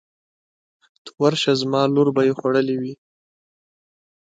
ته ورشه زما لور به یې خوړلې وي.